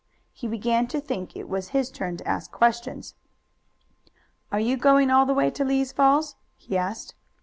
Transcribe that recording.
He began to think it was his turn to ask questions. "Are you going all the way to Lee's Falls?" he asked.